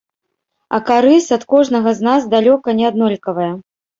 А карысць ад кожнага з нас далёка не аднолькавая.